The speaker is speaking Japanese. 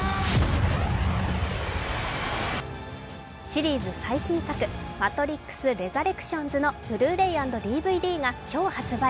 シリーズ最新作「マトリックスレザレクションズ」のブルーレイ＆ＤＶＤが今日発売。